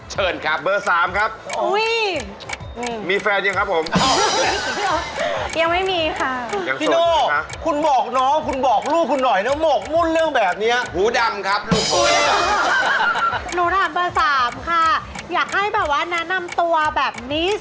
เชิญครับ